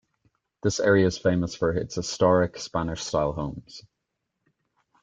This area is famous for its historic Spanish style homes.